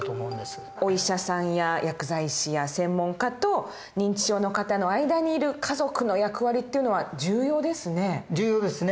お医者さんや薬剤師や専門家と認知症の方の間にいる家族の役割っていうのは重要ですね。